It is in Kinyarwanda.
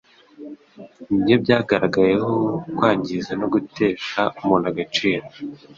ni byo byagaragayeho kwangiza no gutesha umuntu agaciro